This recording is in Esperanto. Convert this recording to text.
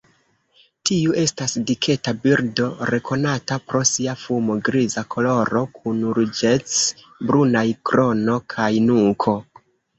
Tiu estas diketa birdo rekonata pro sia fumo-griza koloro kun ruĝec-brunaj krono kaj nuko.